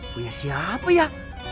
punya siapa ya